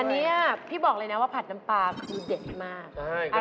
อันนี้พี่บอกเลยนะว่าผัดน้ำปลาคือเด็ดมาก